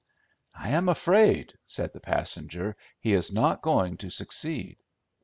"I am afraid," said the passenger, "he is not going to succeed."